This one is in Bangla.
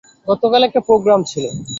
গতকাল একটা প্রোগ্রাম ছিলো।